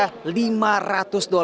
untuk satu ekor kambing yang dikumpulkan